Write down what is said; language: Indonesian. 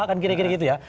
kan kira kira gitu ya